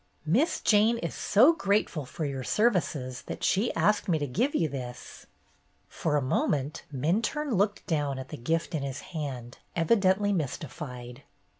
Miss Jane is so grateful for your services that she asked me to give you this." For a moment Minturne looked down at the gift in his hand, evidently mystified.